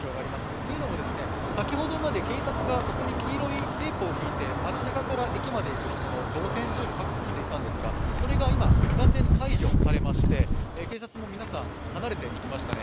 というのも、先ほどまで警察がここに黄色いテープを引いて街なかから駅に行く人たちの動線を確保していたんですが、それが今、完全に解除されまして警察も皆さん、離れていきましたね